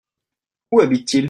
Où habite-t-il ?